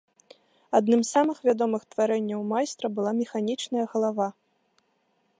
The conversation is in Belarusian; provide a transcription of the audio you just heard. Адным з самых вядомых тварэнняў майстра была механічная галава.